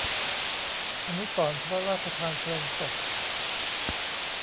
อนุสรณ์พระราชทานเพลิงศพ